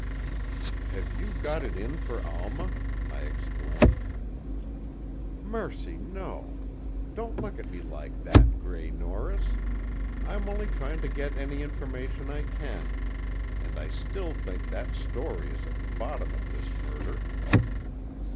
"Have you got it in for Alma?" I exclaimed. "Mercy, no! Don't look at me like that, Gray Norris! I'm only trying to get any information I can. And I still think that story is at the bottom of this murder!"